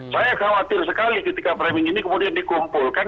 saya khawatir sekali ketika framing ini kemudian dikumpulkan